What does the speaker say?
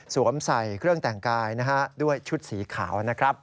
ใส่เครื่องแต่งกายนะฮะด้วยชุดสีขาวนะครับ